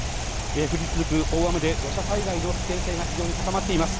降り続く大雨で土砂災害の危険性が非常に高まっています